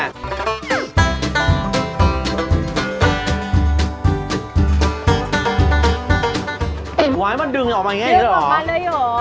ดังไหวมันดึงออกมาอย่างนี้เลยเหรอ